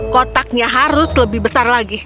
kotaknya harus lebih besar lagi